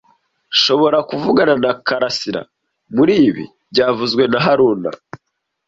Nshobora kuvugana na Karasira muri ibi byavuzwe na haruna